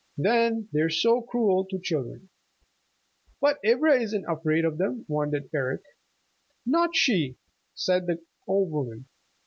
Then, they're so cruel to children!" "But Ivra isn't afraid of them!" wondered Eric. "Not she," said the old woman.